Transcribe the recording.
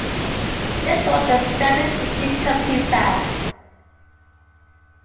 This was the standard issue computer.